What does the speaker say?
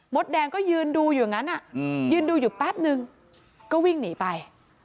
แดงก็ยืนดูอยู่อย่างนั้นยืนดูอยู่แป๊บนึงก็วิ่งหนีไป